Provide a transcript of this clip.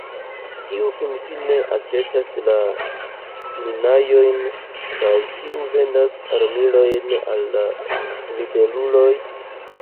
Kiu finfine aĉetas la minaĵojn kaj kiu vendas armilojn al la ribeluloj?